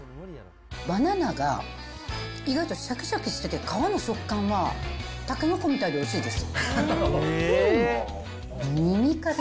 バナナが意外としゃきしゃきしてて、皮の食感はタケノコみたいでおいしいです。